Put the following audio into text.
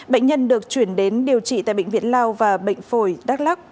bệnh nhân được chuyển đến điều trị tại bệnh viện lao và bệnh phổi đắk lắc